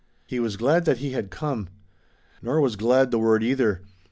He was glad that he had come. Nor was "glad" the word either.